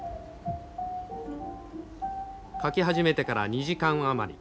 描き始めてから２時間余り。